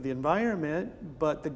tetapi pemerintahan tesla